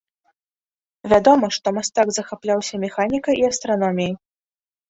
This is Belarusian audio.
Вядома, што мастак захапляўся механікай і астраноміяй.